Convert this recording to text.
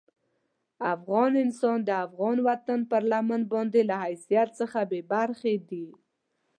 افغان انسان د افغان وطن پر لمن باندې له حیثیت څخه بې برخې دي.